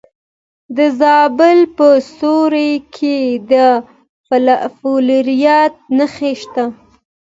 د زابل په سیوري کې د فلورایټ نښې شته.